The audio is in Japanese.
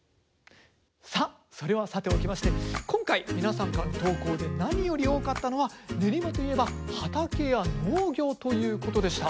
さあそれはさておきまして今回皆さんからの投稿で何より多かったのは練馬といえば畑や農業ということでした。